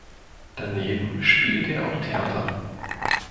Daneben spielte er auch Theater.